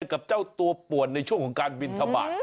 กับเจ้าตัวป่วนในช่วงของการบินทบาท